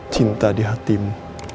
cinta di hatimu